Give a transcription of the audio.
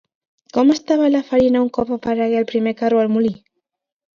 Com estava la farina un cop aparegué el primer carro al molí?